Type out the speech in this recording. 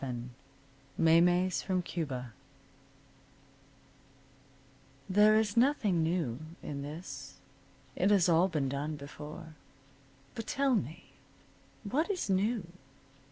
VII MAYMEYS FROM CUBA There is nothing new in this. It has all been done before. But tell me, what is new?